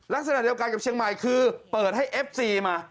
ลักษณะเดียวกันกับเชียงใหม่คือเปิดให้เอฟซีมา